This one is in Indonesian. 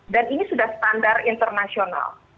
dan ini sudah standar internasional